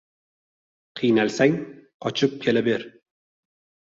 — Qiynalsang — qochib kela ber!